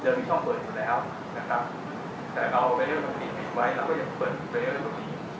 เดิมมีช่องเปิดอยู่แล้วนะครับแต่เราไปเรื่องกับติดไว้เราก็จะเปิดตัวเรื่องกันตรงนี้